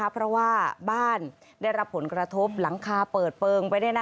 เพราะว่าบ้านได้รับผลกระทบหลังคาเปิดเปิงไป